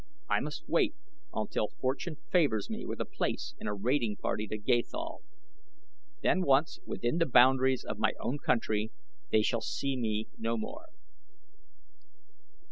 I must wait until Fortune favors me with a place in a raiding party to Gathol. Then, once within the boundaries of my own country, they shall see me no more."